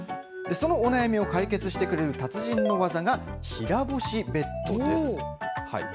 そのお悩みを解決してくれる達人の技が、平干しベッドです。